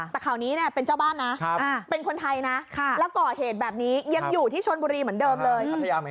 แต่ข่าวนี้เป็นเจ้าบ้านนะเป็นคนไทยนะแล้วก่อเหตุแบบนี้ยังอยู่ที่ชนบุรีเหมือนเดิมเลย